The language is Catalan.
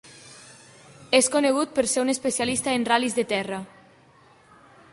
És conegut per ser un especialista en ral·lis de terra.